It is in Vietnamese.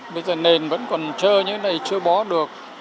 bây giờ nền vẫn còn trơ như thế này chưa bó được